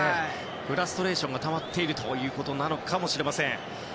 フラストレーションもたまっているのかもしれません。